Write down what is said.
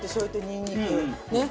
ねっ。